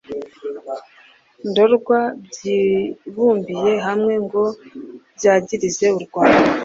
ndorwa byibumbiye hamwe ngo byagirize u rwanda.